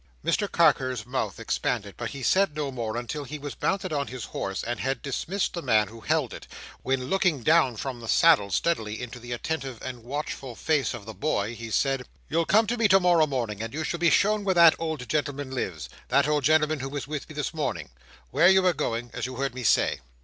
Mr Carker's mouth expanded, but he said no more until he was mounted on his horse, and had dismissed the man who held it, when, looking down from the saddle steadily into the attentive and watchful face of the boy, he said: "You'll come to me tomorrow morning, and you shall be shown where that old gentleman lives; that old gentleman who was with me this morning; where you are going, as you heard me say."